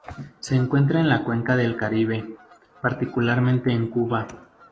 Se encuentra en la cuenca del Caribe, particularmente en Cuba.